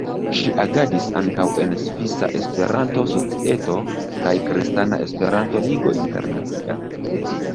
Ŝi agadis ankaŭ en Svisa Esperanto-Societo kaj Kristana Esperanto-Ligo Internacia.